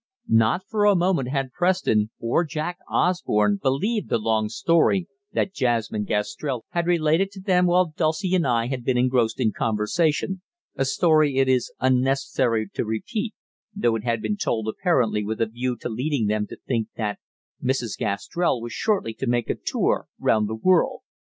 Not for a moment had Preston, or Jack Osborne, believed the long story that Jasmine Gastrell had related to them while Dulcie and I had been engrossed in conversation, a story it is unnecessary to repeat, though it had been told apparently with a view to leading them to think that Mrs. Gastrell was shortly to make a tour round the world.